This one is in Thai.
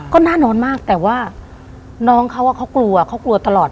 ก็น่านอนมากแต่ว่าน้องเขาเขากลัวเขากลัวตลอด